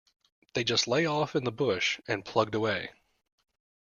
They just lay off in the bush and plugged away.